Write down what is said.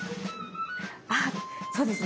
あそうですね